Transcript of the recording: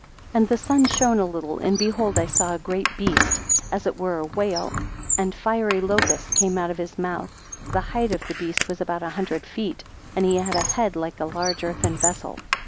8 And the sun shone a little; and behold I saw a great beast, as it were a whale; and fiery locusts came out of his mouth. The height of the beast was about a hundred feet, and he had a head like a large earthen vessel.